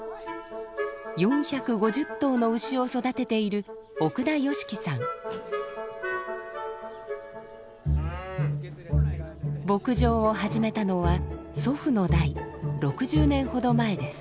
４５０頭の牛を育てている牧場を始めたのは祖父の代６０年ほど前です。